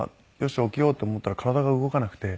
し起きようと思ったら体が動かなくて。